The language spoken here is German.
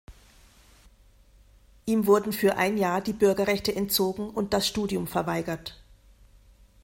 Ihm wurden für ein Jahr die Bürgerrechte entzogen und das Studium verweigert.